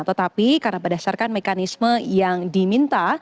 tetapi karena berdasarkan mekanisme yang diminta